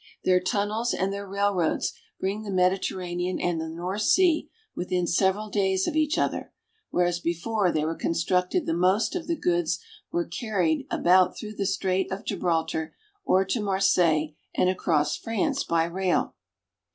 These tunnels and their railroads bring the Mediterranean and the North Sea within several days of each other, whereas before they were constructed the most of the goods were carried about through the Strait of Gibraltar, or to Marseilles and across France by rail.